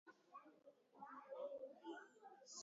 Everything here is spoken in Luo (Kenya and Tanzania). Hadija ne ite odino kendo nokowinj weche mane ikwere.